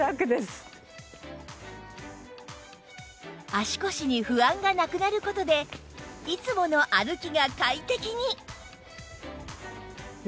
足腰に不安がなくなる事でいつもの歩きが快適に！